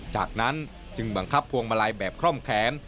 จากนั้นจึงบังคับพวงมาลัยแบบคล่อมแขน